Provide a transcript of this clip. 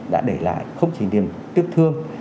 đã để lại không chỉ niềm tiếc thương